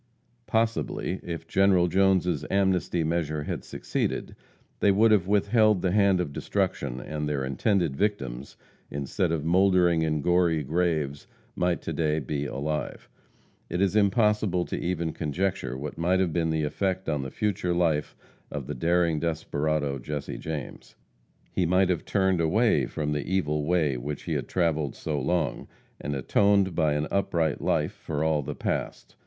Possibly, if General Jone's amnesty measure had succeeded, they would have withheld the hand of destruction, and their intended victims, instead of mouldering in gory graves, might to day be alive. It is impossible to even conjecture what might have been the effect on the future life of the daring desperado, Jesse James. He might have turned away from the evil way which he had travelled so long, and atoned by an upright life for all the past.